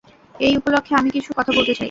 এই উপলক্ষে, আমি কিছু কথা বলতে চাই।